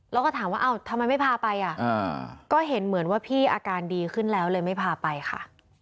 แล้วก็ถามว่าทำไมไม่พาไปอ่ะก็เห็นเหมือนว่าพี่อาการดีขึ้นแล้วเลยไม่พาไปค่ะ